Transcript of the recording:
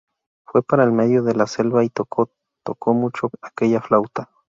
Fue para el medio de la selva y tocó, tocó mucho aquella flauta.